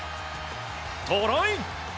トライ！